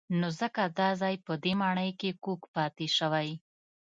نو ځکه دا ځای په دې ماڼۍ کې کوږ پاتې شوی.